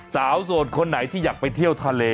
โสดคนไหนที่อยากไปเที่ยวทะเล